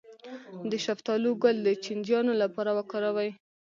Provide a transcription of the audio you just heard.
د شفتالو ګل د چینجیانو لپاره وکاروئ